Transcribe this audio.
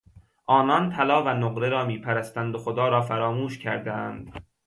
آنان طلا و نقره را میپرستند و خدا را فراموش کردهاند.